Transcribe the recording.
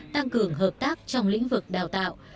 tăng cường hợp tác trong lĩnh vực đào tạo